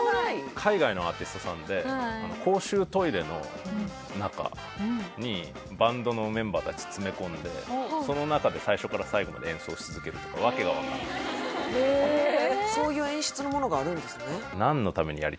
海外のアーティストさんで公衆トイレの中にバンドのメンバー達詰め込んでその中で最初から最後まで演奏し続けるとか訳が分からないやつとかへえそういう演出のものがあるんですね